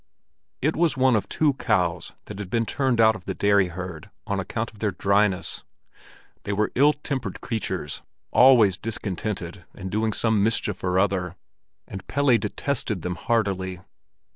It was one of two cows that had been turned out of the dairy herd on account of their dryness. They were ill tempered creatures, always discontented and doing some mischief or other; and Pelle detested them heartily.